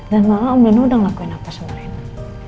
dan malah om nino udah ngelakuin apa sama rena